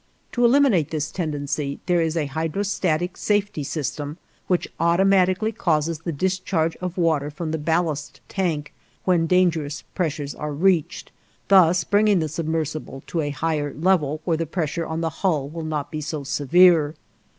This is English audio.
To eliminate this tendency, there is a hydrostatic safety system which automatically causes the discharge of water from the ballast tank when dangerous pressures are reached, thus bringing the submersible to a higher level where the pressure on the hull will not be so severe.